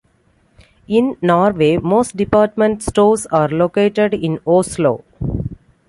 In Norway, most department stores are located in Oslo.